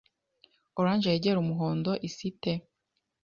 Orange yegera umuhondo isa ite